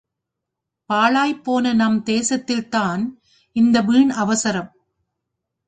பாழாய்ப் போன நம் தேசத்தில் தான் இந்த வீண் அவசரம்.